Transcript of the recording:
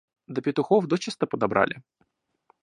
До петухов дочиста подобрали.